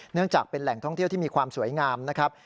เนื่องจากเป็นแหล่งท่องเที่ยวที่มีความสวยงามนะครับ